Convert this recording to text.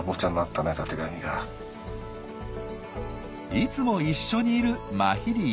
いつも一緒にいるマヒリ一家。